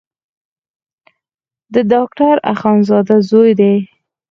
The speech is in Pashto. د ډاکټر اخندزاده زوی دی.